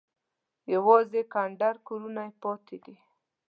یوازې کنډر کورونه یې پاتې دي.